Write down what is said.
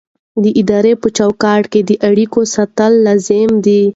د ادارې په چوکاټ کې د اړیکو ساتل لازمي دي.